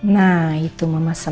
nah itu mama sangat baik